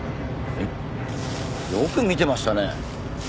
えっよく見てましたね。